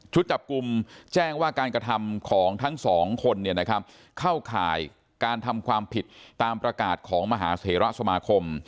จับกลุ่มแจ้งว่าการกระทำของทั้งสองคนเข้าข่ายการทำความผิดตามประกาศของมหาเสระสมาคม